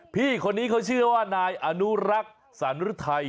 พี่คนนี้เขาชื่อว่านายอนุรักษ์สรรฤทัย